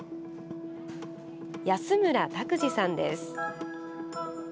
安村卓士さんです。